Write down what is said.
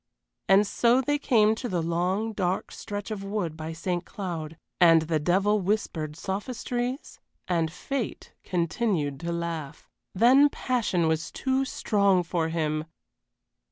And so they came to the long, dark stretch of wood by St. Cloud. And the devil whispered sophistries and fate continued to laugh. Then passion was too strong for him.